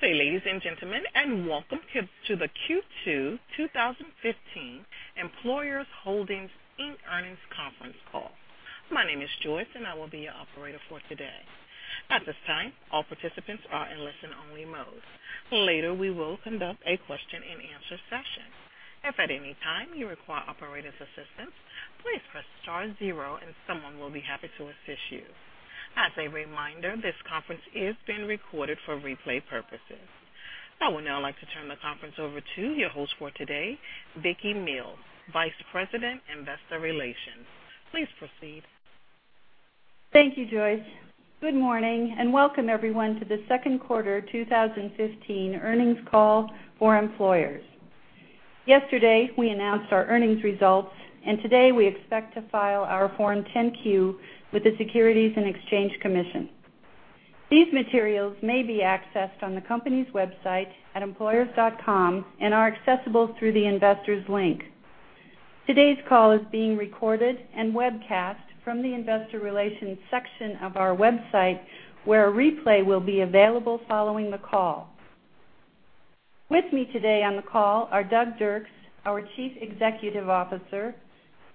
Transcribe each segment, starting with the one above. Good day, ladies and gentlemen, welcome to the Q2 2015 Employers Holdings, Inc. Earnings Conference Call. My name is Joyce and I will be your operator for today. At this time, all participants are in listen only mode. Later, we will conduct a question and answer session. If at any time you require operator's assistance, please press star zero and someone will be happy to assist you. As a reminder, this conference is being recorded for replay purposes. I would now like to turn the conference over to your host for today, Vicki Mills, Vice President, Investor Relations. Please proceed. Thank you, Joyce. Good morning and welcome everyone to the second quarter 2015 earnings call for Employers. Yesterday, we announced our earnings results, and today we expect to file our Form 10-Q with the Securities and Exchange Commission. These materials may be accessed on the company's website at employers.com and are accessible through the investors link. Today's call is being recorded and webcast from the investor relations section of our website, where a replay will be available following the call. With me today on the call are Doug Dirks, our Chief Executive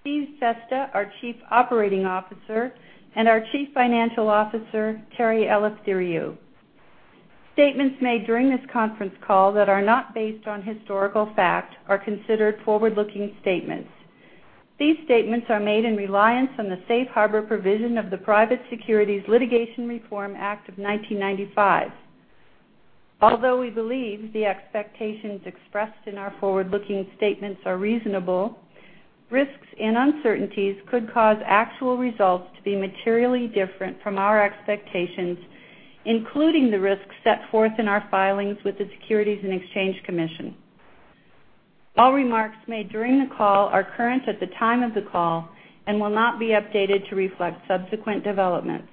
Officer, Steve Festa, our Chief Operating Officer, and our Chief Financial Officer, Terry Eleftheriou. Statements made during this conference call that are not based on historical fact are considered forward-looking statements. These statements are made in reliance on the safe harbor provision of the Private Securities Litigation Reform Act of 1995. Although we believe the expectations expressed in our forward-looking statements are reasonable, risks and uncertainties could cause actual results to be materially different from our expectations, including the risks set forth in our filings with the Securities and Exchange Commission. All remarks made during the call are current at the time of the call and will not be updated to reflect subsequent developments.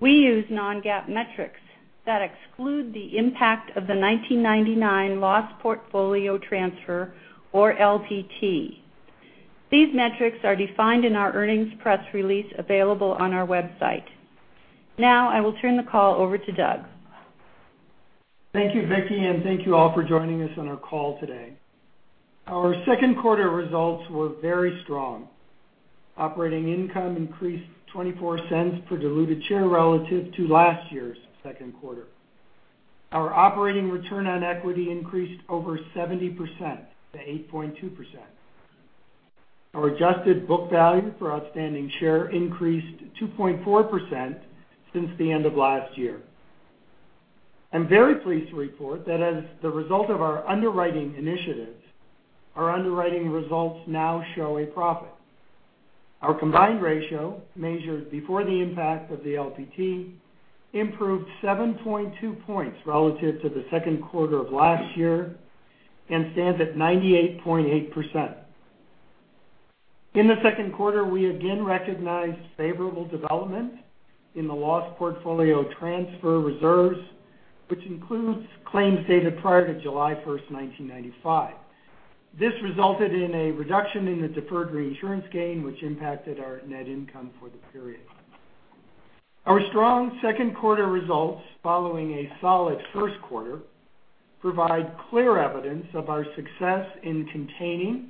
We use non-GAAP metrics that exclude the impact of the 1999 loss portfolio transfer, or LPT. These metrics are defined in our earnings press release available on our website. Now I will turn the call over to Doug. Thank you, Vicki, thank you all for joining us on our call today. Our second quarter results were very strong. Operating income increased $0.24 per diluted share relative to last year's second quarter. Our operating return on equity increased over 70% to 8.2%. Our adjusted book value for outstanding share increased 2.4% since the end of last year. I'm very pleased to report that as the result of our underwriting initiatives, our underwriting results now show a profit. Our combined ratio, measured before the impact of the LPT, improved 7.2 points relative to the second quarter of last year and stands at 98.8%. In the second quarter, we again recognized favorable development in the loss portfolio transfer reserves, which includes claims dated prior to July 1, 1995. This resulted in a reduction in the deferred reinsurance gain, which impacted our net income for the period. Our strong second quarter results following a solid first quarter provide clear evidence of our success in containing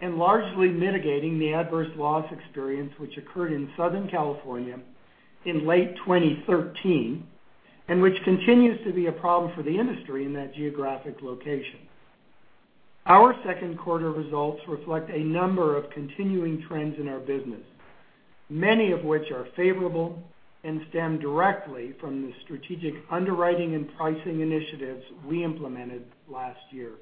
and largely mitigating the adverse loss experience which occurred in Southern California in late 2013 and which continues to be a problem for the industry in that geographic location. Our second quarter results reflect a number of continuing trends in our business, many of which are favorable and stem directly from the strategic underwriting and pricing initiatives we implemented last year.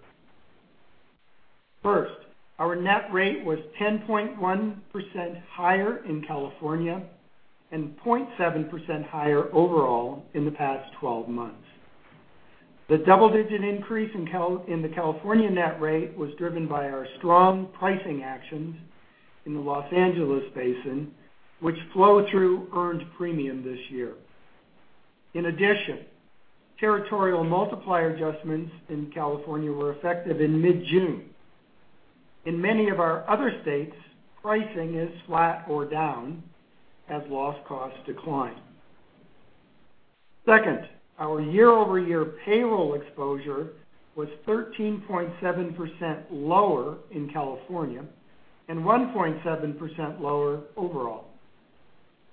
First, our net rate was 10.1% higher in California and 0.7% higher overall in the past 12 months. The double-digit increase in the California net rate was driven by our strong pricing actions in the Los Angeles Basin, which flow through earned premium this year. In addition, territorial multiplier adjustments in California were effective in mid-June. In many of our other states, pricing is flat or down as loss costs decline. Second, our year-over-year payroll exposure was 13.7% lower in California and 1.7% lower overall.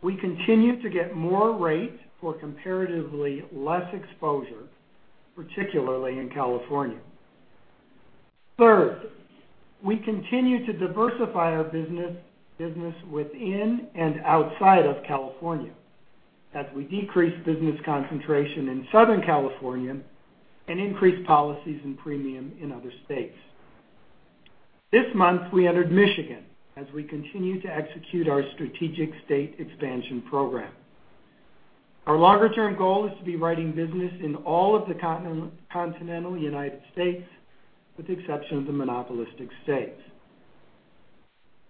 We continue to get more rate for comparatively less exposure, particularly in California. Third, we continue to diversify our business within and outside of California as we decrease business concentration in Southern California and increase policies and premium in other states. This month we entered Michigan as we continue to execute our strategic state expansion program. Our longer term goal is to be writing business in all of the continental U.S., with the exception of the monopolistic states.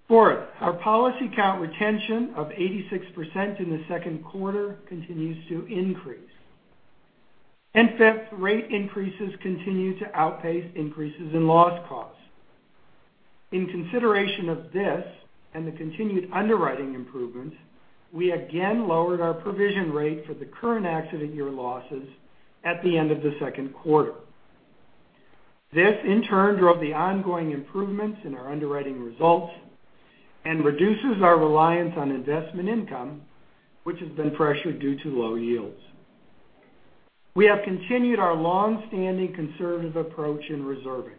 Fourth, our policy count retention of 86% in the second quarter continues to increase. Fifth, rate increases continue to outpace increases in loss costs. In consideration of this and the continued underwriting improvements, we again lowered our provision rate for the current accident year losses at the end of the second quarter. This, in turn, drove the ongoing improvements in our underwriting results and reduces our reliance on investment income, which has been pressured due to low yields. We have continued our long-standing conservative approach in reserving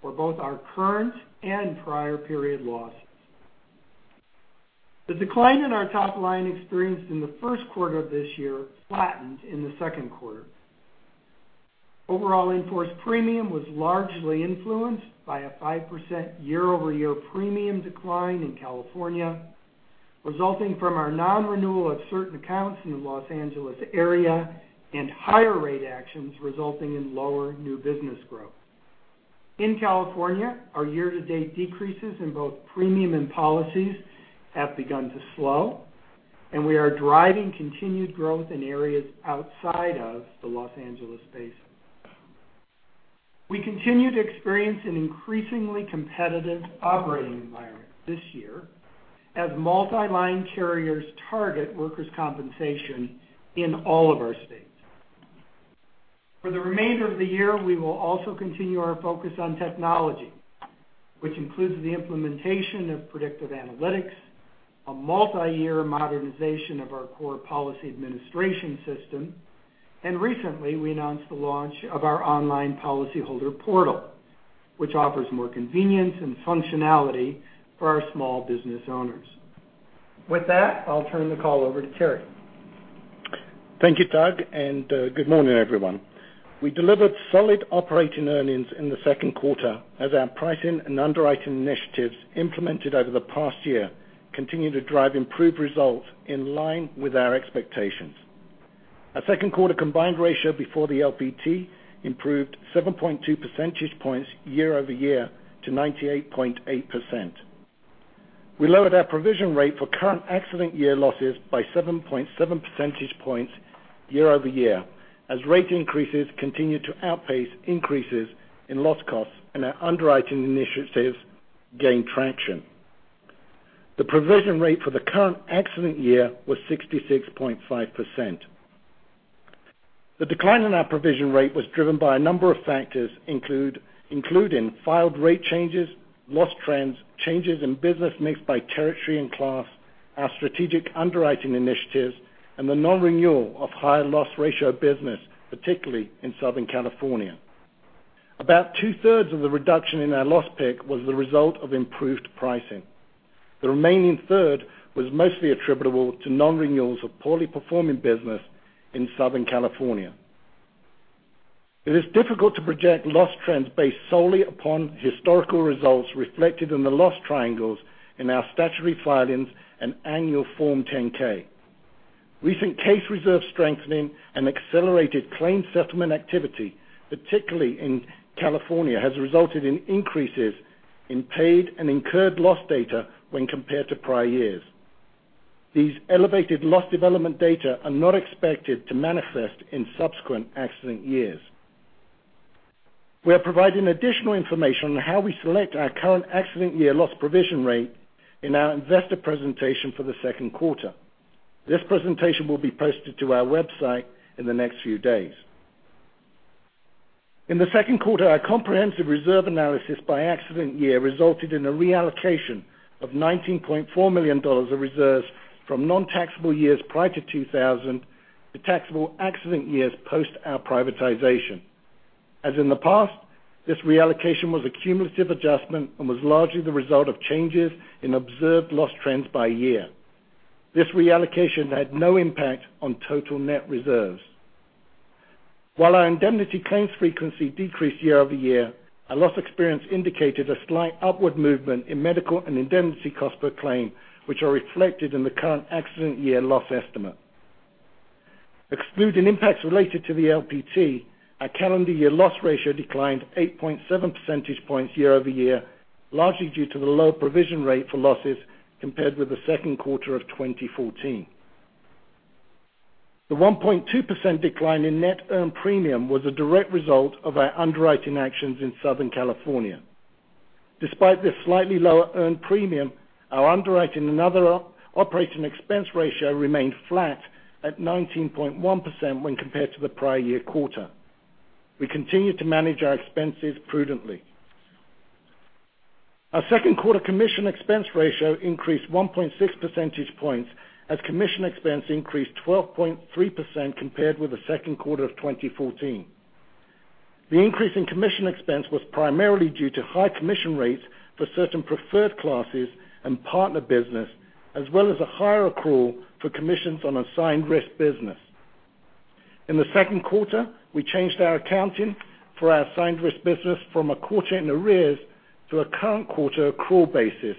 for both our current and prior period losses. The decline in our top line experienced in the first quarter of this year flattened in the second quarter. Overall, enforced premium was largely influenced by a 5% year-over-year premium decline in California, resulting from our non-renewal of certain accounts in the Los Angeles area and higher rate actions resulting in lower new business growth. In California, our year-to-date decreases in both premium and policies have begun to slow, and we are driving continued growth in areas outside of the Los Angeles Basin. We continue to experience an increasingly competitive operating environment this year as multi-line carriers target workers' compensation in all of our states. For the remainder of the year, we will also continue our focus on technology, which includes the implementation of predictive analytics, a multi-year modernization of our core policy administration system, and recently we announced the launch of our online policyholder portal, which offers more convenience and functionality for our small business owners. With that, I'll turn the call over to Terry. Thank you, Doug. Good morning, everyone. We delivered solid operating earnings in the second quarter as our pricing and underwriting initiatives implemented over the past year continue to drive improved results in line with our expectations. Our second quarter combined ratio before the LPT improved 7.2 percentage points year-over-year to 98.8%. We lowered our provision rate for current accident year losses by 7.7 percentage points year-over-year, as rate increases continued to outpace increases in loss costs and our underwriting initiatives gained traction. The provision rate for the current accident year was 66.5%. The decline in our provision rate was driven by a number of factors, including filed rate changes, loss trends, changes in business mix by territory and class, our strategic underwriting initiatives, and the non-renewal of high loss ratio business, particularly in Southern California. About two-thirds of the reduction in our loss pick was the result of improved pricing. The remaining third was mostly attributable to non-renewals of poorly performing business in Southern California. It is difficult to project loss trends based solely upon historical results reflected in the loss triangles in our statutory filings and Annual Form 10-K. Recent case reserve strengthening and accelerated claim settlement activity, particularly in California, has resulted in increases in paid and incurred loss data when compared to prior years. These elevated loss development data are not expected to manifest in subsequent accident years. We are providing additional information on how we select our current accident year loss provision rate in our investor presentation for the second quarter. This presentation will be posted to our website in the next few days. In the second quarter, our comprehensive reserve analysis by accident year resulted in a reallocation of $19.4 million of reserves from non-taxable years prior to 2000 to taxable accident years post our privatization. As in the past, this reallocation was a cumulative adjustment and was largely the result of changes in observed loss trends by year. This reallocation had no impact on total net reserves. While our indemnity claims frequency decreased year-over-year, our loss experience indicated a slight upward movement in medical and indemnity cost per claim, which are reflected in the current accident year loss estimate. Excluding impacts related to the LPT, our calendar year loss ratio declined 8.7 percentage points year-over-year, largely due to the lower provision rate for losses compared with the second quarter of 2014. The 1.2% decline in net earned premium was a direct result of our underwriting actions in Southern California. Despite this slightly lower earned premium, our underwriting and other operating expense ratio remained flat at 19.1% when compared to the prior year quarter. We continue to manage our expenses prudently. Our second quarter commission expense ratio increased 1.6 percentage points as commission expense increased 12.3% compared with the second quarter of 2014. The increase in commission expense was primarily due to high commission rates for certain preferred classes and partner business, as well as a higher accrual for commissions on assigned risk business. In the second quarter, we changed our accounting for our assigned risk business from a quarter in arrears to a current quarter accrual basis,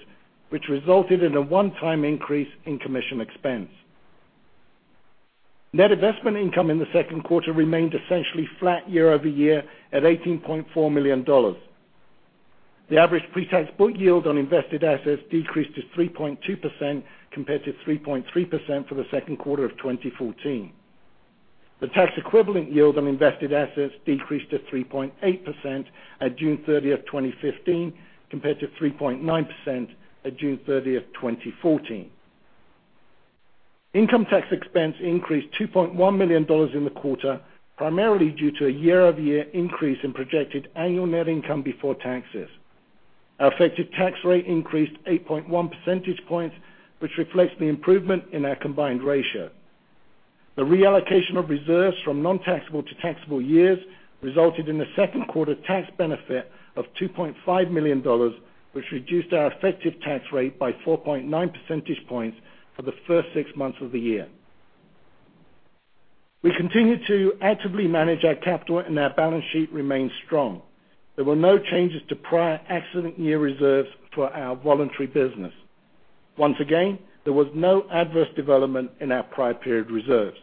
which resulted in a one-time increase in commission expense. Net investment income in the second quarter remained essentially flat year-over-year at $18.4 million. The average pre-tax book yield on invested assets decreased to 3.2% compared to 3.3% for the second quarter of 2014. The tax equivalent yield on invested assets decreased to 3.8% at June 30th, 2015, compared to 3.9% at June 30th, 2014. Income tax expense increased $2.1 million in the quarter, primarily due to a year-over-year increase in projected annual net income before taxes. Our effective tax rate increased 8.1 percentage points, which reflects the improvement in our combined ratio. The reallocation of reserves from non-taxable to taxable years resulted in a second quarter tax benefit of $2.5 million, which reduced our effective tax rate by 4.9 percentage points for the first six months of the year. We continue to actively manage our capital, and our balance sheet remains strong. There were no changes to prior accident year reserves for our voluntary business. Once again, there was no adverse development in our prior period reserves.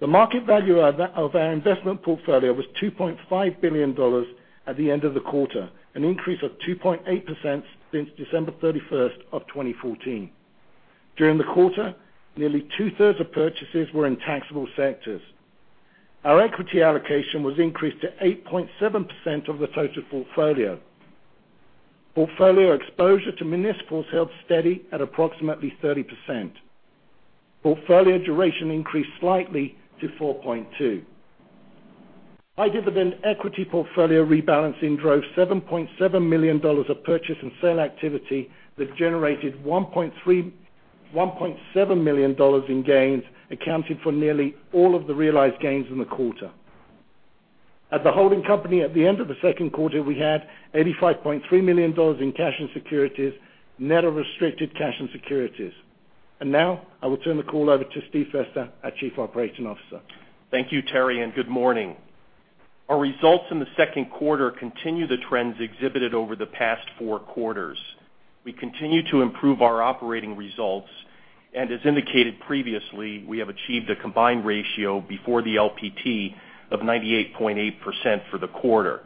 The market value of our investment portfolio was $2.5 billion at the end of the quarter, an increase of 2.8% since December 31st of 2014. During the quarter, nearly two-thirds of purchases were in taxable sectors. Our equity allocation was increased to 8.7% of the total portfolio. Portfolio exposure to municipals held steady at approximately 30%. Portfolio duration increased slightly to 4.2. High dividend equity portfolio rebalancing drove $7.7 million of purchase and sale activity that generated $1.7 million in gains, accounting for nearly all of the realized gains in the quarter. At the holding company at the end of the second quarter, we had $85.3 million in cash and securities, net of restricted cash and securities. Now I will turn the call over to Steve Festa, our Chief Operating Officer. Thank you, Terry, good morning. Our results in the second quarter continue the trends exhibited over the past four quarters. We continue to improve our operating results and as indicated previously, we have achieved a combined ratio before the LPT of 98.8% for the quarter.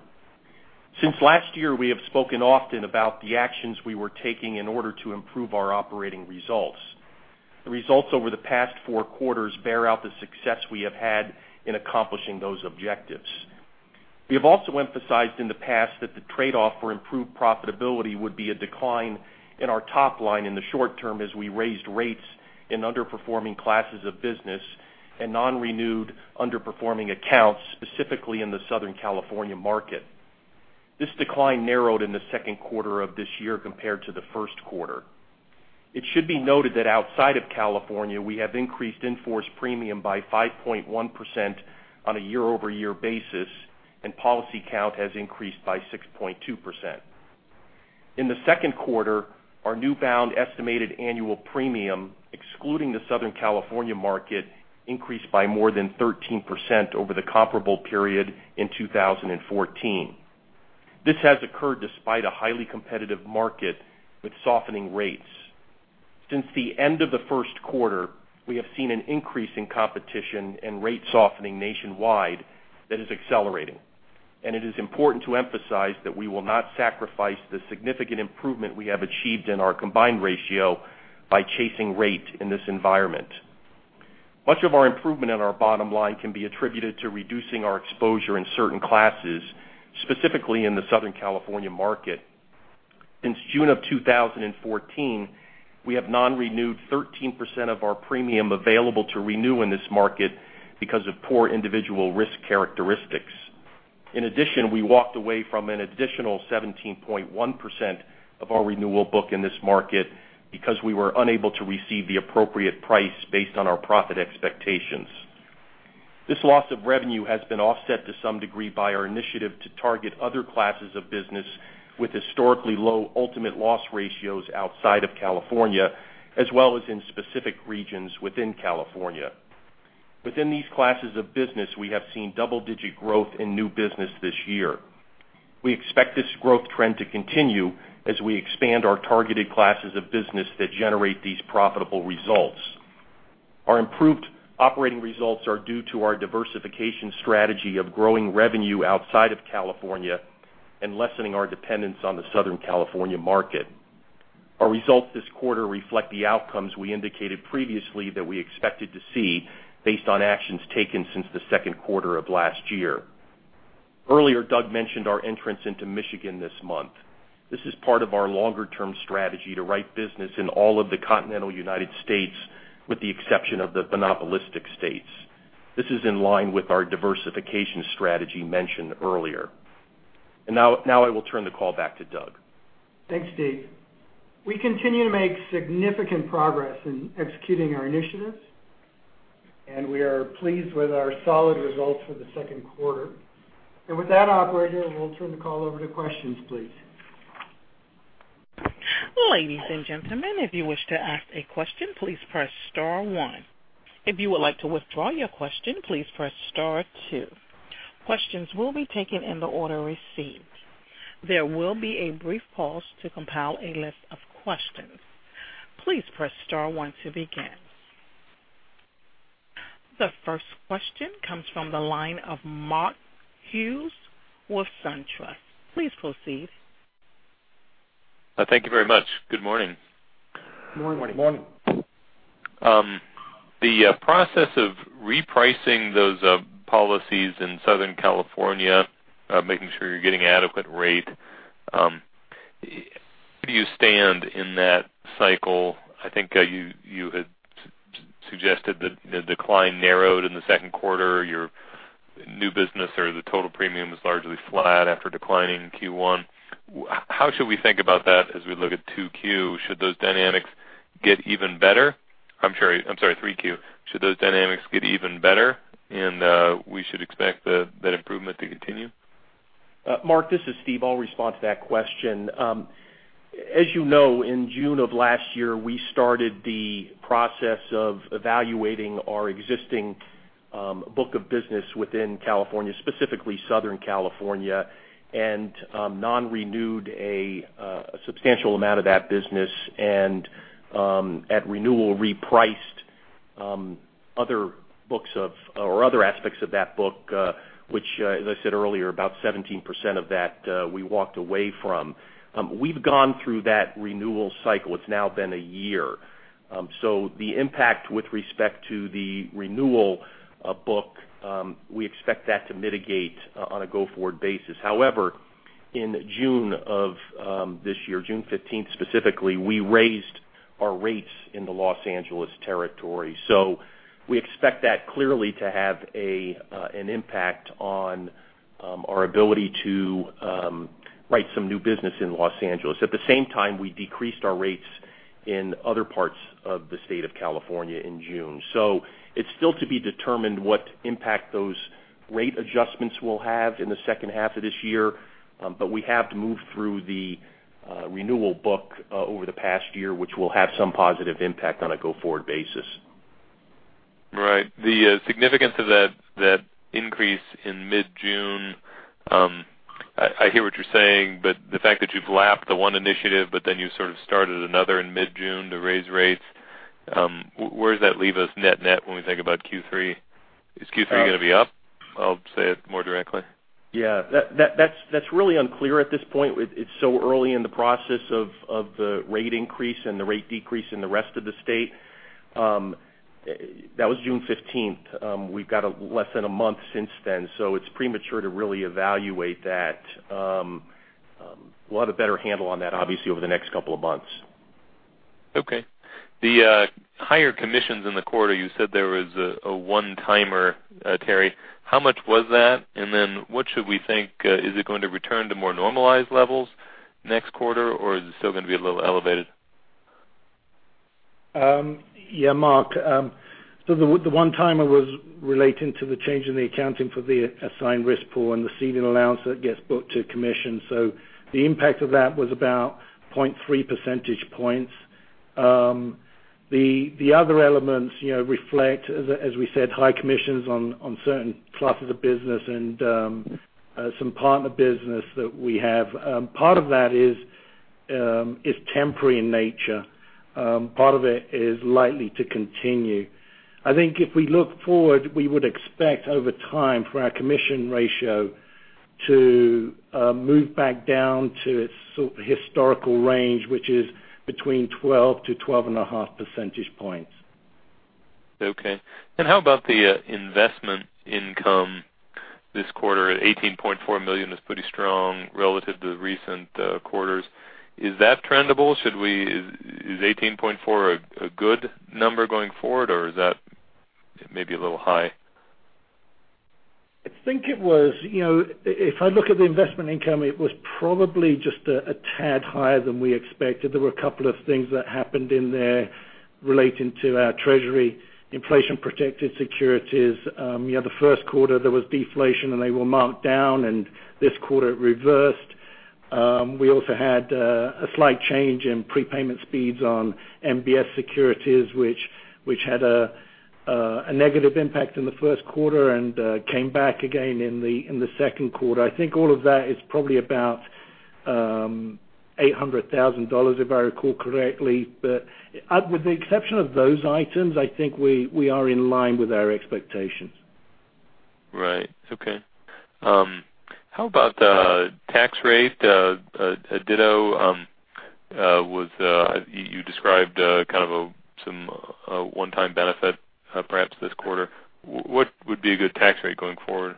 Since last year, we have spoken often about the actions we were taking in order to improve our operating results. The results over the past four quarters bear out the success we have had in accomplishing those objectives. We have also emphasized in the past that the trade-off for improved profitability would be a decline in our top line in the short term as we raised rates in underperforming classes of business and non-renewed underperforming accounts, specifically in the Southern California market. This decline narrowed in the second quarter of this year compared to the first quarter. It should be noted that outside of California, we have increased in-force premium by 5.1% on a year-over-year basis, and policy count has increased by 6.2%. In the second quarter, our new bound estimated annual premium, excluding the Southern California market, increased by more than 13% over the comparable period in 2014. This has occurred despite a highly competitive market with softening rates. Since the end of the first quarter, we have seen an increase in competition and rate softening nationwide that is accelerating, and it is important to emphasize that we will not sacrifice the significant improvement we have achieved in our combined ratio by chasing rate in this environment. Much of our improvement in our bottom line can be attributed to reducing our exposure in certain classes, specifically in the Southern California market. Since June of 2014, we have non-renewed 13% of our premium available to renew in this market because of poor individual risk characteristics. In addition, we walked away from an additional 17.1% of our renewal book in this market because we were unable to receive the appropriate price based on our profit expectations. This loss of revenue has been offset to some degree by our initiative to target other classes of business with historically low ultimate loss ratios outside of California, as well as in specific regions within California. Within these classes of business, we have seen double-digit growth in new business this year. We expect this growth trend to continue as we expand our targeted classes of business that generate these profitable results. Our improved operating results are due to our diversification strategy of growing revenue outside of California and lessening our dependence on the Southern California market. Our results this quarter reflect the outcomes we indicated previously that we expected to see based on actions taken since the second quarter of last year. Earlier, Doug mentioned our entrance into Michigan this month. This is part of our longer-term strategy to write business in all of the continental U.S. with the exception of the monopolistic states. Now I will turn the call back to Doug. Thanks, Steve. We continue to make significant progress in executing our initiatives, and we are pleased with our solid results for the second quarter. With that, operator, we'll turn the call over to questions, please. Ladies and gentlemen, if you wish to ask a question, please press star one. If you would like to withdraw your question, please press star two. Questions will be taken in the order received. There will be a brief pause to compile a list of questions. Please press star one to begin. The first question comes from the line of Mark Hughes with SunTrust. Please proceed. Thank you very much. Good morning. Good morning. Morning. The process of repricing those policies in Southern California, making sure you're getting adequate rate, where do you stand in that cycle? I think you had suggested that the decline narrowed in the second quarter. Your new business or the total premium was largely flat after declining in Q1. How should we think about that as we look at 2Q? Should those dynamics get even better? I'm sorry, 3Q. Should those dynamics get even better, and we should expect that improvement to continue? Mark, this is Steve. I'll respond to that question. As you know, in June of last year, we started the process of evaluating our existing book of business within California, specifically Southern California, and non-renewed a substantial amount of that business and at renewal, repriced other aspects of that book, which, as I said earlier, about 17% of that we walked away from. We've gone through that renewal cycle. It's now been a year. The impact with respect to the renewal book, we expect that to mitigate on a go-forward basis. However, in June of this year, June 15th, specifically, we raised our rates in the Los Angeles territory. We expect that clearly to have an impact on our ability to write some new business in Los Angeles. At the same time, we decreased our rates in other parts of the state of California in June. It's still to be determined what impact those rate adjustments will have in the second half of this year. We have moved through the renewal book over the past year, which will have some positive impact on a go-forward basis. Right. The significance of that increase in mid-June, I hear what you're saying, but the fact that you've lapped the one initiative, but then you sort of started another in mid-June to raise rates. Where does that leave us net-net when we think about Q3? Is Q3 going to be up? I'll say it more directly. Yeah. That's really unclear at this point. It's so early in the process of the rate increase and the rate decrease in the rest of the state. That was June 15th. We've got less than a month since then, so it's premature to really evaluate that. We'll have a better handle on that, obviously, over the next couple of months. Okay. The higher commissions in the quarter, you said there was a one-timer, Terry. How much was that? What should we think? Is it going to return to more normalized levels next quarter, or is it still going to be a little elevated? Yeah, Mark. The one-timer was relating to the change in the accounting for the assigned risk pool and the ceding allowance that gets booked to commission. The impact of that was about 0.3 percentage points. The other elements reflect, as we said, high commissions on certain classes of business and some partner business that we have. Part of that is temporary in nature. Part of it is likely to continue. I think if we look forward, we would expect over time for our commission ratio to move back down to its historical range, which is between 12 to 12.5 percentage points. Okay. How about the investment income this quarter? $18.4 million is pretty strong relative to recent quarters. Is that trendable? Is $18.4 a good number going forward, or is that maybe a little high? I think it was. If I look at the investment income, it was probably just a tad higher than we expected. There were a couple of things that happened in there relating to our treasury inflation-protected securities. The first quarter, there was deflation, and they were marked down, and this quarter it reversed. We also had a slight change in prepayment speeds on MBS securities, which had a negative impact in the first quarter and came back again in the second quarter. I think all of that is probably about $800,000, if I recall correctly. With the exception of those items, I think we are in line with our expectations. Right. Okay. How about tax rate? Ditto, you described kind of some one-time benefit perhaps this quarter. What would be a good tax rate going forward?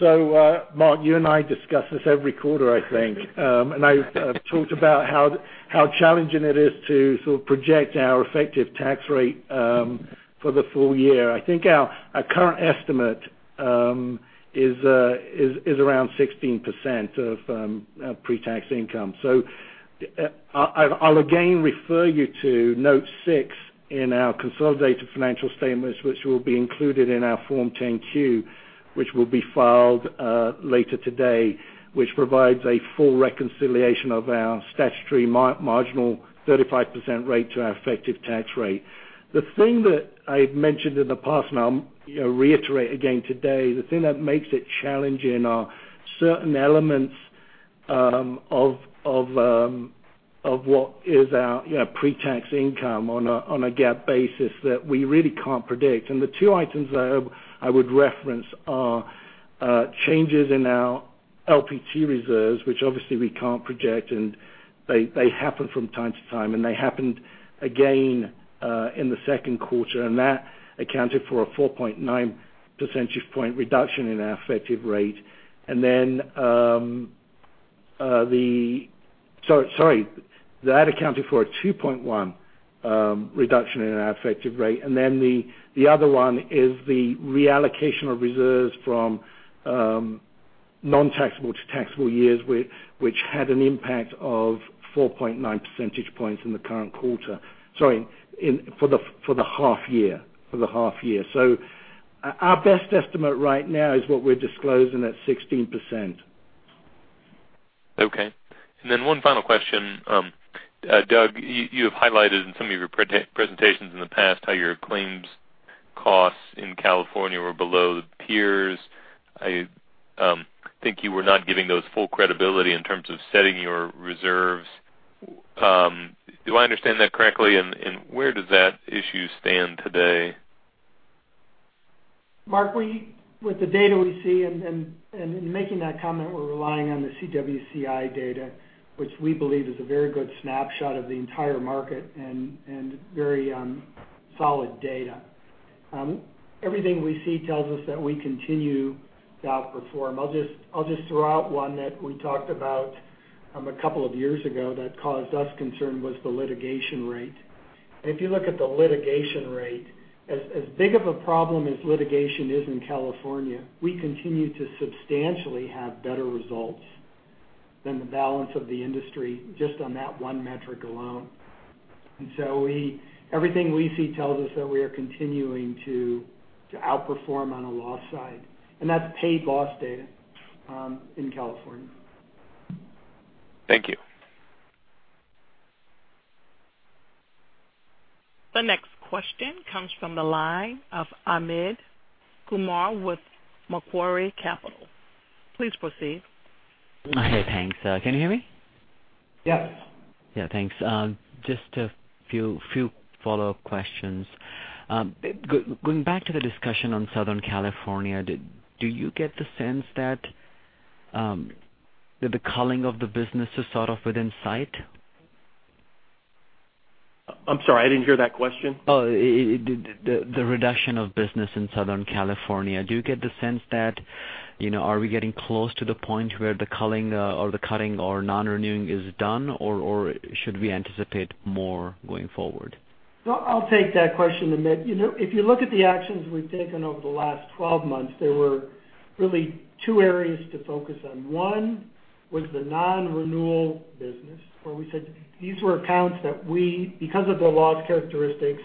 Mark, you and I discuss this every quarter, I think. I've talked about how challenging it is to sort of project our effective tax rate for the full year. I think our current estimate is around 16% of pre-tax income. I'll again refer you to note six in our consolidated financial statements, which will be included in our Form 10-Q, which will be filed later today, which provides a full reconciliation of our statutory marginal 35% rate to our effective tax rate. The thing that I had mentioned in the past, and I'll reiterate again today, the thing that makes it challenging are certain elements of what is our pre-tax income on a GAAP basis that we really can't predict. The two items that I would reference are changes in our LPT reserves, which obviously we can't project, and they happen from time to time, and they happened again in the second quarter, and that accounted for a 4.9 percentage point reduction in our effective rate. Sorry, that accounted for a 2.1 reduction in our effective rate. The other one is the reallocation of reserves from non-taxable to taxable years, which had an impact of 4.9 percentage points in the current quarter. Sorry, for the half year. Our best estimate right now is what we're disclosing at 16%. Okay. One final question. Doug, you have highlighted in some of your presentations in the past how your claims costs in California were below the peers. I think you were not giving those full credibility in terms of setting your reserves. Do I understand that correctly, and where does that issue stand today? Mark, with the data we see, in making that comment, we're relying on the CWCI data, which we believe is a very good snapshot of the entire market and very solid data. Everything we see tells us that we continue to outperform. I'll just throw out one that we talked about a couple of years ago that caused us concern was the litigation rate. If you look at the litigation rate, as big of a problem as litigation is in California, we continue to substantially have better results than the balance of the industry just on that one metric alone. Everything we see tells us that we are continuing to outperform on a loss side, and that's paid loss data in California. Thank you. The next question comes from the line of Amit Kumar with Macquarie Capital. Please proceed. Hey, thanks. Can you hear me? Yes. Yeah, thanks. Just a few follow-up questions. Going back to the discussion on Southern California, do you get the sense that the culling of the business is sort of within sight? I'm sorry, I didn't hear that question. Oh, the reduction of business in Southern California, do you get the sense that are we getting close to the point where the culling or the cutting or non-renewing is done, or should we anticipate more going forward? I'll take that question, Amit. If you look at the actions we've taken over the last 12 months, there were really two areas to focus on. One was the non-renewal business, where we said these were accounts that we, because of the loss characteristics,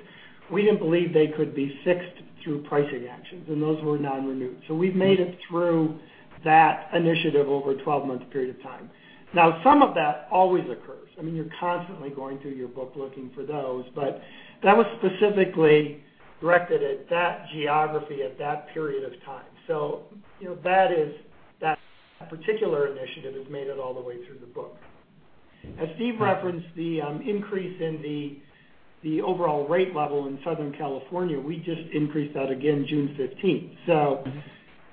we didn't believe they could be fixed through pricing actions, and those were non-renewed. We've made it through that initiative over a 12-month period of time. Some of that always occurs. I mean, you're constantly going through your book looking for those, but that was specifically directed at that geography at that period of time. That particular initiative has made it all the way through the book. As Steve referenced, the increase in the overall rate level in Southern California, we just increased that again June 15th.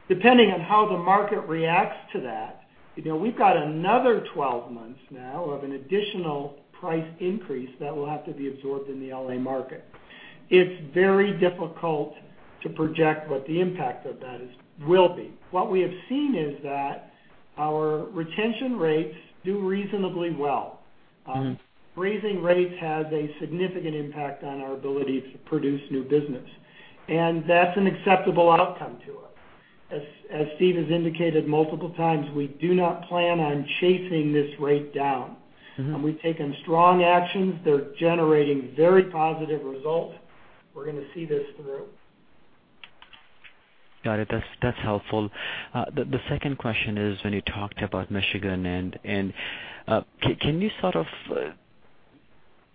Depending on how the market reacts to that, we've got another 12 months now of an additional price increase that will have to be absorbed in the L.A. market. It's very difficult to project what the impact of that will be. What we have seen is that our retention rates do reasonably well. Raising rates has a significant impact on our ability to produce new business, and that's an acceptable outcome to us. As Steve has indicated multiple times, we do not plan on chasing this rate down. We've taken strong actions. They're generating very positive results. We're going to see this through. Got it. That's helpful. The second question is when you talked about Michigan, can you sort of,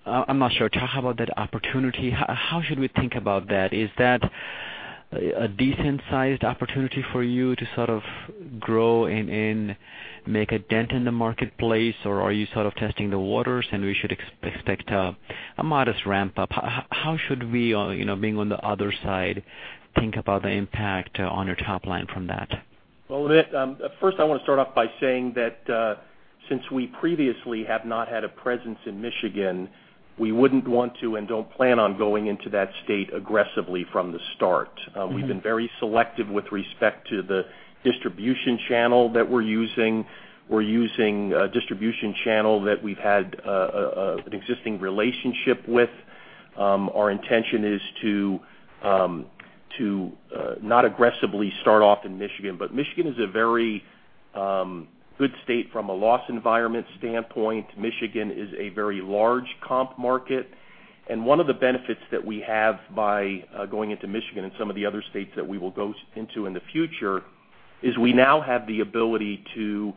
I'm not sure, talk about that opportunity. How should we think about that? Is that a decent sized opportunity for you to sort of grow and make a dent in the marketplace, or are you sort of testing the waters and we should expect a modest ramp-up? How should we, being on the other side, think about the impact on your top line from that? Well, Amit, first I want to start off by saying that since we previously have not had a presence in Michigan, we wouldn't want to and don't plan on going into that state aggressively from the start. We've been very selective with respect to the distribution channel that we're using. We're using a distribution channel that we've had an existing relationship with. Our intention is to not aggressively start off in Michigan is a very good state from a loss environment standpoint. One of the benefits that we have by going into Michigan and some of the other states that we will go into in the future is we now have the ability to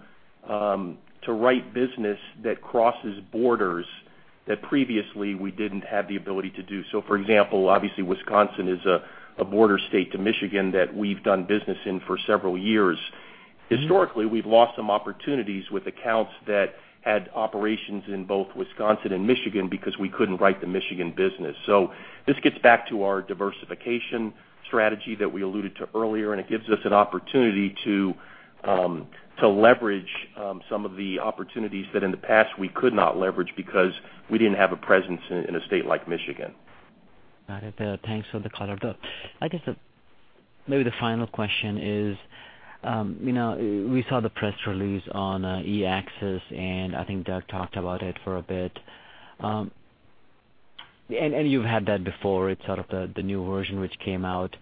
write business that crosses borders that previously we didn't have the ability to do. For example, obviously Wisconsin is a border state to Michigan that we've done business in for several years. Historically, we've lost some opportunities with accounts that had operations in both Wisconsin and Michigan because we couldn't write the Michigan business. This gets back to our diversification strategy that we alluded to earlier, and it gives us an opportunity to leverage some of the opportunities that in the past we could not leverage because we didn't have a presence in a state like Michigan. Got it. Thanks for the color. I guess maybe the final question is, we saw the press release on EACCESS, and I think Doug talked about it for a bit. You've had that before. It's sort of the new version which came out.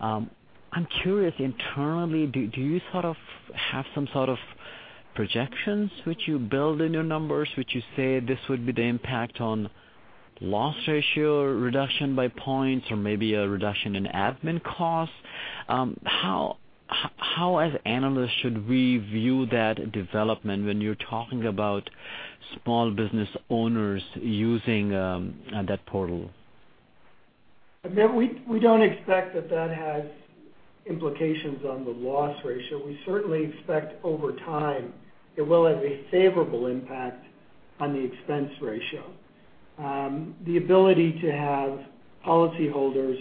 I'm curious, internally, do you have some sort of projections which you build in your numbers, which you say this would be the impact on loss ratio reduction by points or maybe a reduction in admin costs? How, as analysts, should we view that development when you're talking about small business owners using that portal? We don't expect that that has implications on the loss ratio. We certainly expect over time it will have a favorable impact on the expense ratio. The ability to have policyholders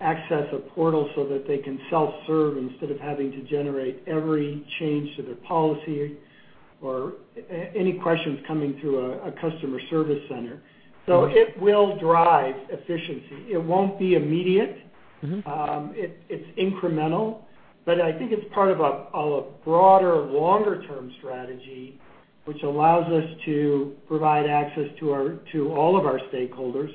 access a portal so that they can self-serve instead of having to generate every change to their policy or any questions coming through a customer service center. It will drive efficiency. It won't be immediate. It's incremental, but I think it's part of a broader, longer term strategy, which allows us to provide access to all of our stakeholders.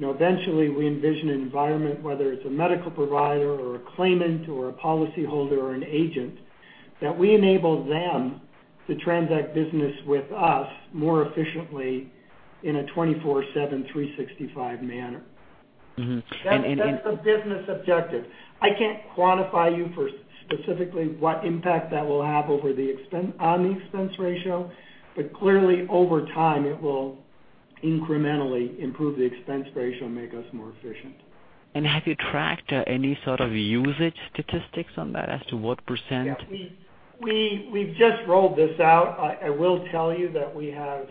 Eventually we envision an environment, whether it's a medical provider or a claimant or a policyholder or an agent, that we enable them to transact business with us more efficiently in a 24 seven, 365 manner. Mm-hmm. That's the business objective. I can't quantify you for specifically what impact that will have on the expense ratio. Clearly, over time, it will incrementally improve the expense ratio and make us more efficient. Have you tracked any sort of usage statistics on that as to what %? Yeah, we've just rolled this out. I will tell you that we have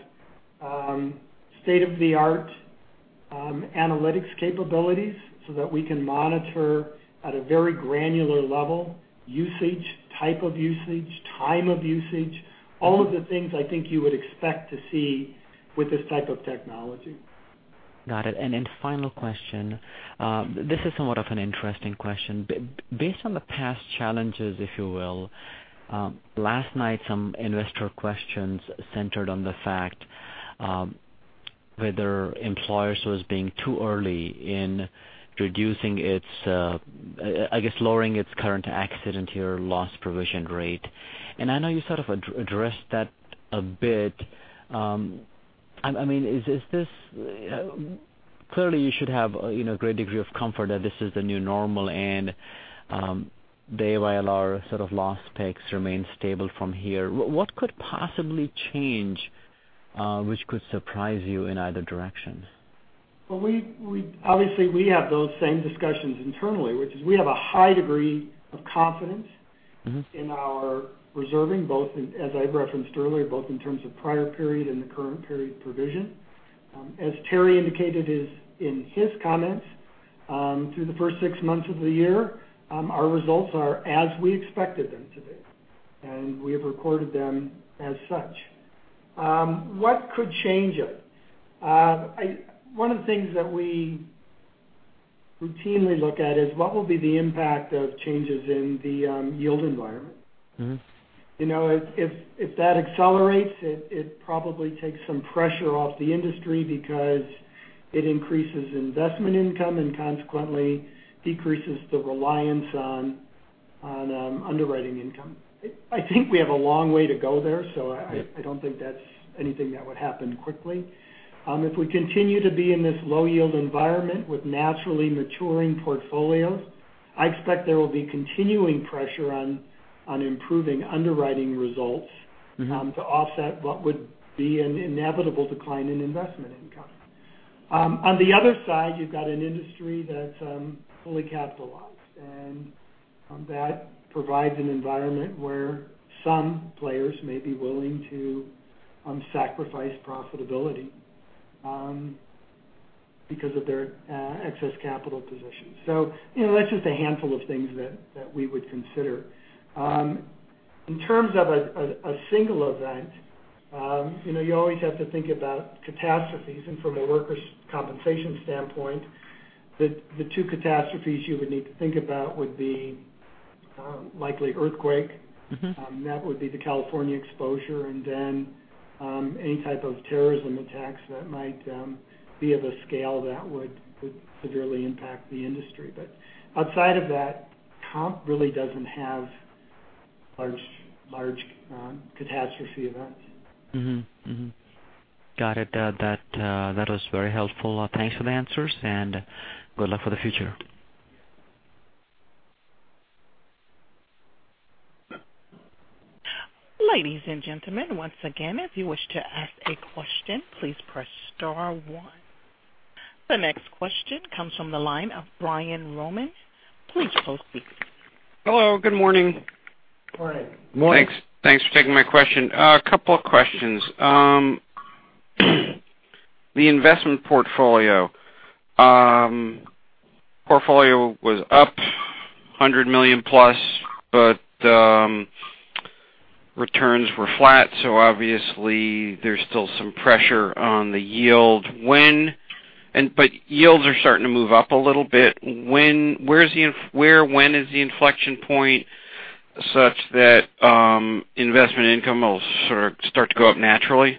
state-of-the-art analytics capabilities so that we can monitor at a very granular level, usage, type of usage, time of usage, all of the things I think you would expect to see with this type of technology. Got it. Final question. This is somewhat of an interesting question. Based on the past challenges, if you will. Last night, some investor questions centered on the fact whether Employers was being too early in, I guess, lowering its current accident year loss provision rate. I know you sort of addressed that a bit. Clearly you should have a great degree of comfort that this is the new normal and the AYLR sort of loss takes remains stable from here. What could possibly change which could surprise you in either direction? We have those same discussions internally, which is we have a high degree of confidence- in our reserving, both as I referenced earlier, both in terms of prior period and the current period provision. As Terry indicated in his comments, through the first six months of the year, our results are as we expected them to be, and we have recorded them as such. What could change it? One of the things that we routinely look at is what will be the impact of changes in the yield environment. If that accelerates, it probably takes some pressure off the industry because it increases investment income and consequently decreases the reliance on underwriting income. I think we have a long way to go there. I don't think that's anything that would happen quickly. If we continue to be in this low yield environment with naturally maturing portfolios, I expect there will be continuing pressure on improving underwriting results- to offset what would be an inevitable decline in investment income. On the other side, you've got an industry that's fully capitalized. That provides an environment where some players may be willing to sacrifice profitability because of their excess capital position. That's just a handful of things that we would consider. In terms of a single event, you always have to think about catastrophes. From a workers' compensation standpoint, the two catastrophes you would need to think about would be likely earthquake. That would be the California exposure. Any type of terrorism attacks that might be of a scale that would severely impact the industry. Outside of that, comp really doesn't have large catastrophe events. Got it. That was very helpful. Thanks for the answers, and good luck for the future. Ladies and gentlemen, once again, if you wish to ask a question, please press star one. The next question comes from the line of Brian Roman. Please proceed. Hello, good morning. Good morning. Thanks for taking my question. A couple of questions. The investment portfolio. Portfolio was up $100 million plus, returns were flat, obviously there's still some pressure on the yield. Yields are starting to move up a little bit. Where/when is the inflection point such that investment income will sort of start to go up naturally?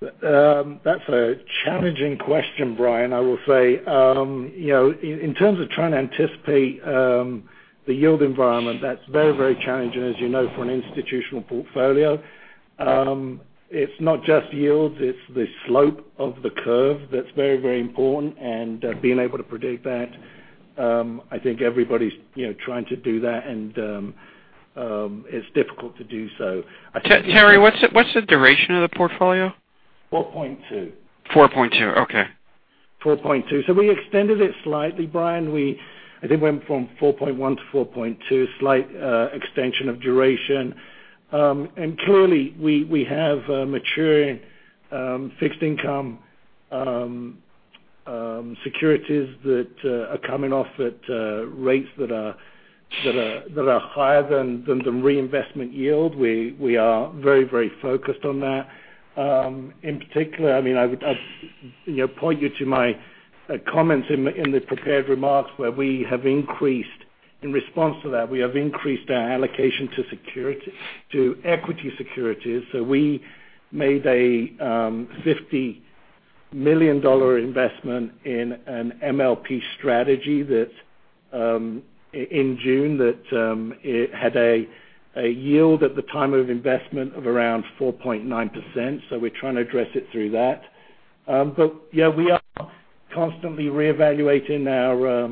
That's a challenging question, Brian. I will say, in terms of trying to anticipate the yield environment, that's very challenging, as you know, for an institutional portfolio. It's not just yields, it's the slope of the curve that's very important and being able to predict that. I think everybody's trying to do that, it's difficult to do so. Terry, what's the duration of the portfolio? 4.2. 4.2. Okay. We extended it slightly, Brian. We, I think, went from 4.1 to 4.2, slight extension of duration. Clearly we have maturing fixed income securities that are coming off at rates that are higher than the reinvestment yield. We are very focused on that. In particular, I would point you to my comments in the prepared remarks where we have increased, in response to that, we have increased our allocation to equity securities. We made a $50 million investment in an MLP strategy in June that had a yield at the time of investment of around 4.9%. We're trying to address it through that. Yeah, we are constantly reevaluating our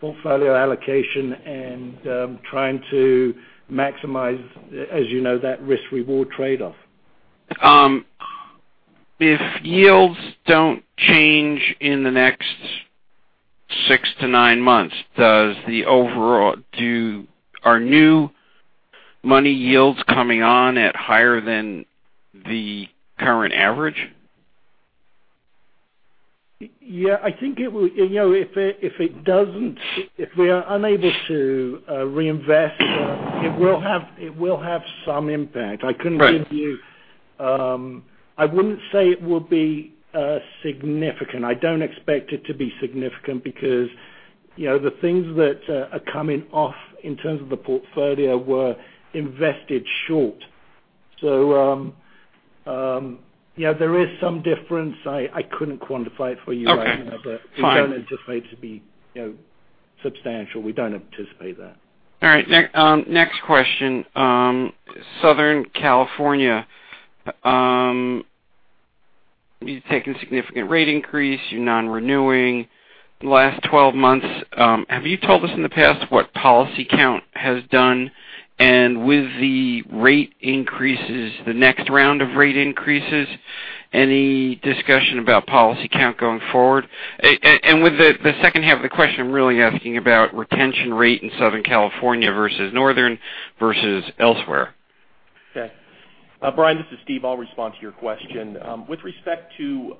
portfolio allocation and trying to maximize, as you know, that risk/reward trade-off. If yields don't change in the next 6-9 months, are new money yields coming on at higher than the current average? Yeah, I think if it doesn't, if we are unable to reinvest, it will have some impact. Right. I wouldn't say it will be significant. I don't expect it to be significant because the things that are coming off in terms of the portfolio were invested short. There is some difference. I couldn't quantify it for you right now. Okay. Fine. We don't anticipate it to be substantial. We don't anticipate that. All right. Next question. Southern California, you've taken a significant rate increase. You're non-renewing the last 12 months. Have you told us in the past what policy count has done? With the rate increases, the next round of rate increases, any discussion about policy count going forward? With the second half of the question, I'm really asking about retention rate in Southern California versus Northern, versus elsewhere. Okay. Brian, this is Steve. I'll respond to your question. With respect to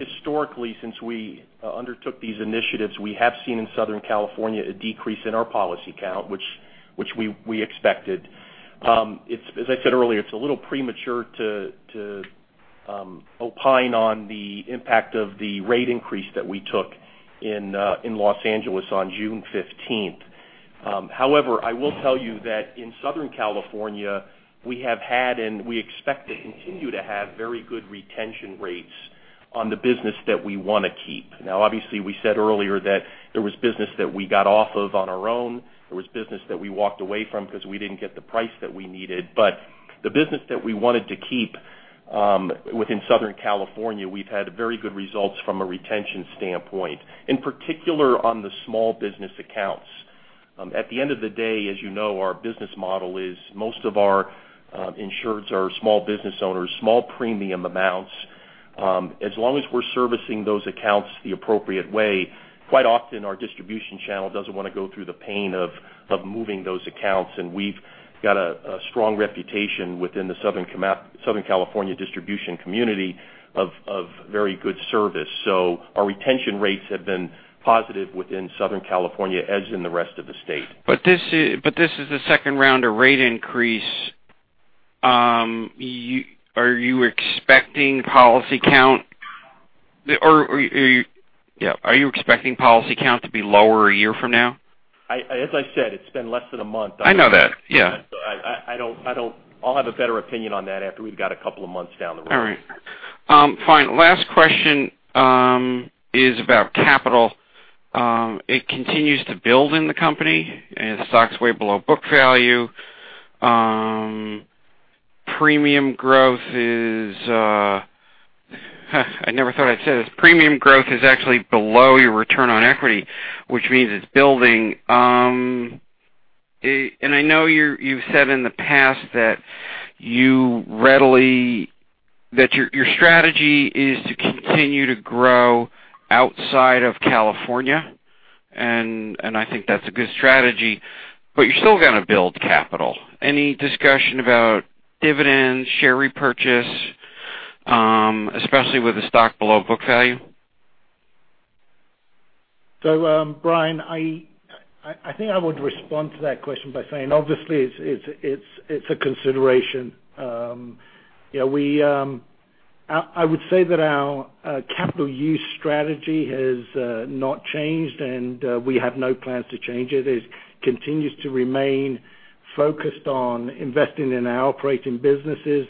historically, since we undertook these initiatives, we have seen in Southern California a decrease in our policy count, which we expected. As I said earlier, it's a little premature to opine on the impact of the rate increase that we took in Los Angeles on June 15th. I will tell you that in Southern California, we have had, and we expect to continue to have very good retention rates on the business that we want to keep. Obviously, we said earlier that there was business that we got off of on our own. There was business that we walked away from because we didn't get the price that we needed. The business that we wanted to keep within Southern California, we've had very good results from a retention standpoint. In particular, on the small business accounts. At the end of the day, as you know, our business model is most of our insureds are small business owners, small premium amounts. As long as we're servicing those accounts the appropriate way, quite often our distribution channel doesn't want to go through the pain of moving those accounts. We've got a strong reputation within the Southern California distribution community of very good service. Our retention rates have been positive within Southern California, as in the rest of the state. This is the second round of rate increase. Are you expecting policy count to be lower a year from now? As I said, it's been less than a month. I know that, yeah. I'll have a better opinion on that after we've got a couple of months down the road. All right. Fine. Last question is about capital. It continues to build in the company, and stock's way below book value. Premium growth is I never thought I'd say this. Premium growth is actually below your return on equity, which means it's building. I know you've said in the past that your strategy is to continue to grow outside of California, and I think that's a good strategy, but you're still going to build capital. Any discussion about dividends, share repurchase, especially with the stock below book value? Brian, I think I would respond to that question by saying obviously it's a consideration. I would say that our capital use strategy has not changed, and we have no plans to change it. It continues to remain focused on investing in our operating businesses,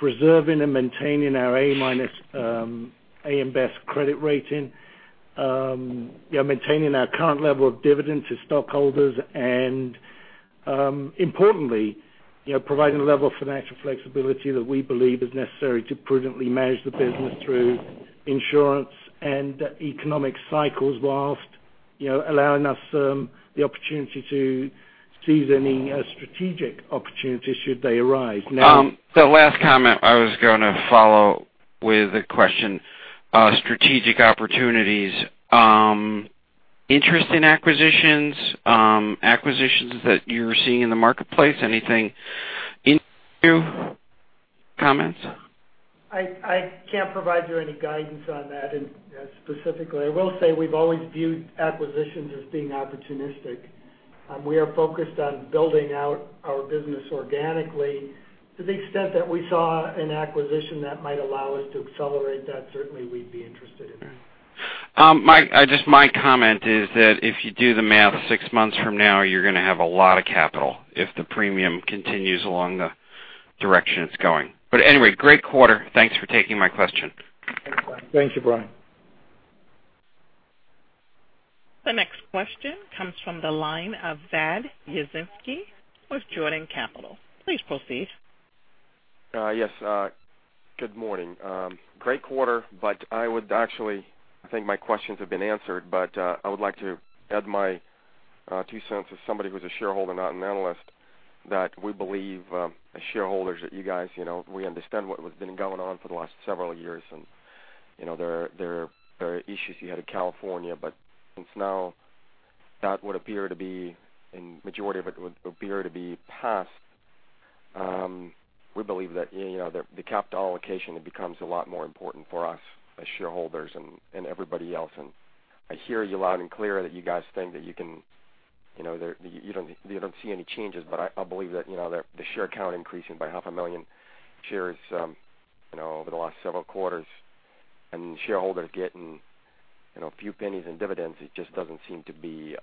preserving and maintaining our A minus AM Best credit rating. Maintaining our current level of dividends to stockholders and, importantly, providing the level of financial flexibility that we believe is necessary to prudently manage the business through insurance and economic cycles, whilst allowing us the opportunity to seize any strategic opportunities should they arise. That last comment, I was going to follow with a question. Strategic opportunities. Interest in acquisitions? Acquisitions that you're seeing in the marketplace? Anything comments? I can't provide you any guidance on that specifically. I will say we've always viewed acquisitions as being opportunistic. We are focused on building out our business organically. To the extent that we saw an acquisition that might allow us to accelerate that, certainly we'd be interested in it. My comment is that if you do the math six months from now, you're going to have a lot of capital if the premium continues along the direction it's going. Anyway, great quarter. Thanks for taking my question. Thanks, Brian. Thank you, Brian. The next question comes from the line of Vadzim Yazvinski with Jordan Capital. Please proceed. Yes. Good morning. Great quarter. I think my questions have been answered. I would like to add my $0.02 as somebody who's a shareholder, not an analyst, that we believe as shareholders that you guys, we understand what has been going on for the last several years, and there are issues you had in California. Since now that would appear to be, and majority of it would appear to be past, we believe that the capital allocation becomes a lot more important for us as shareholders and everybody else. I hear you loud and clear that you guys think that you don't see any changes. I believe that the share count increasing by 500,000 shares over the last several quarters, and shareholders getting a few pennies in dividends, it just doesn't seem to be,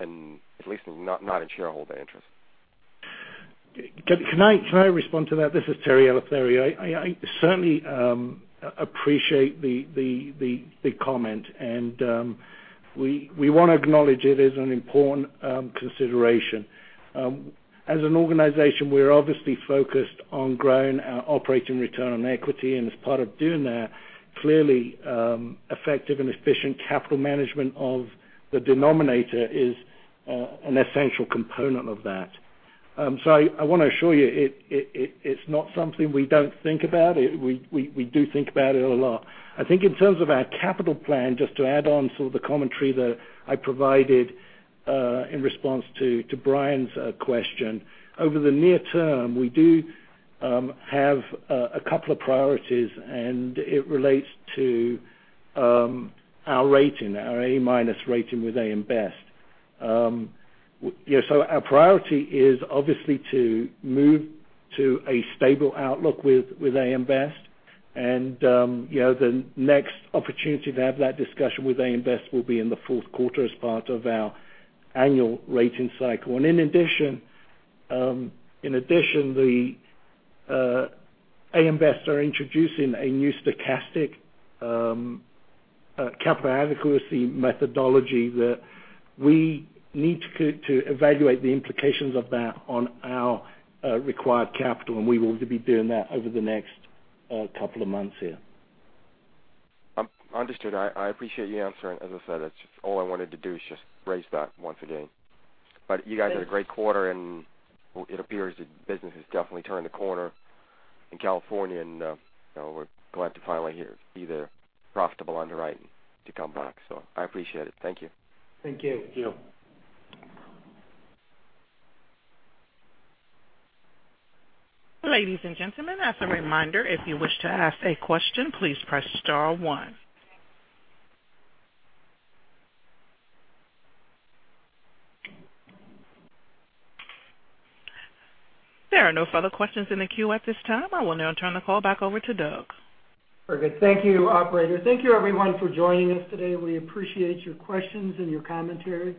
at least not in shareholder interest. Can I respond to that? This is Terry Eleftheriou. I certainly appreciate the comment. We want to acknowledge it as an important consideration. As an organization, we're obviously focused on growing our operating return on equity. As part of doing that, clearly, effective and efficient capital management of the denominator is an essential component of that. I want to assure you, it's not something we don't think about. We do think about it a lot. I think in terms of our capital plan, just to add on to the commentary that I provided in response to Brian's question. Over the near term, we do have a couple of priorities. It relates to our rating, our A- rating with AM Best. Our priority is obviously to move to a stable outlook with AM Best and the next opportunity to have that discussion with AM Best will be in the fourth quarter as part of our annual rating cycle. In addition, AM Best are introducing a new stochastic capital adequacy methodology that we need to evaluate the implications of that on our required capital, and we will be doing that over the next couple of months here. Understood. I appreciate you answering. As I said, that's all I wanted to do is just raise that once again. You guys had a great quarter, and it appears that business has definitely turned a corner in California, and we're glad to finally hear you're either profitable underwriting to come back, so I appreciate it. Thank you. Thank you. Thank you. Ladies and gentlemen, as a reminder, if you wish to ask a question, please press star one. There are no further questions in the queue at this time. I will now turn the call back over to Doug. Very good. Thank you, operator. Thank you everyone for joining us today. We appreciate your questions and your commentary.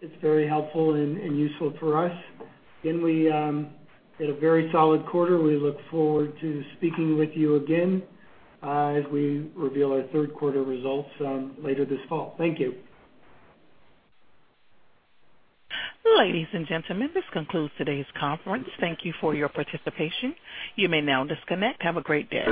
It is very helpful and useful for us. Again, we had a very solid quarter. We look forward to speaking with you again as we reveal our third quarter results later this fall. Thank you. Ladies and gentlemen, this concludes today's conference. Thank you for your participation. You may now disconnect. Have a great day.